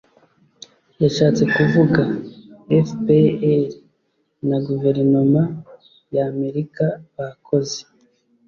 yashatse kuvuga. fpr na guverinoma y'amerika bakoze